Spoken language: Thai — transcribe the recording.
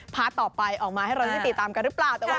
ต่อไปออกมาให้เราได้ติดตามกันหรือเปล่า